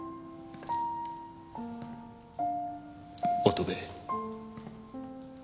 乙部。